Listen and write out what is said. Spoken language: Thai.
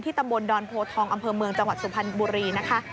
ตำบลดอนโพทองอำเภอเมืองจังหวัดสุพรรณบุรีนะคะ